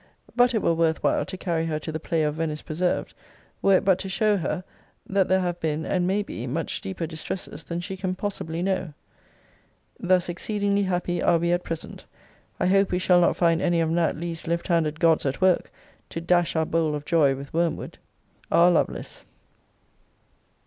But it were worth while to carry her to the play of Venice Preserved, were it but to show her, that there have been, and may be, much deeper distresses than she can possibly know. Thus exceedingly happy are we at present. I hope we shall not find any of Nat. Lee's left handed gods at work, to dash our bowl of joy with wormwood. R. LOVELACE.